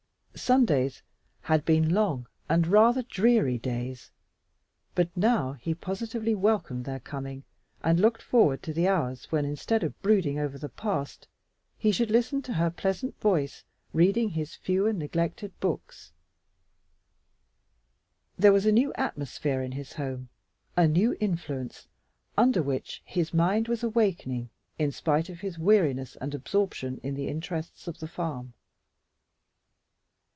Sundays had been long and rather dreary days, but now he positively welcomed their coming and looked forward to the hours when, instead of brooding over the past, he should listen to her pleasant voice reading his few and neglected books. There was a new atmosphere in his home a new influence, under which his mind was awakening in spite of his weariness and absorption in the interests of the farm.